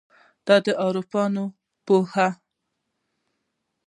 د عرفان اوپو هي